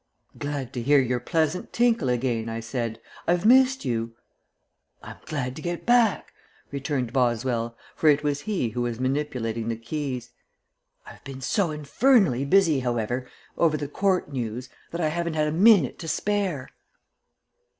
"Glad to hear your pleasant tinkle again," I said. "I've missed you." "I'm glad to get back," returned Boswell, for it was he who was manipulating the keys. "I've been so infernally busy, however, over the court news, that I haven't had a minute to spare."